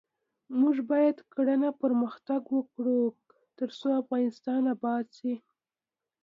موږ باید کرنه پرمختګ ورکړو ، ترڅو افغانستان اباد شي.